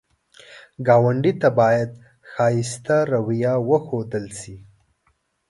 ګاونډي ته باید ښایسته رویه وښودل شي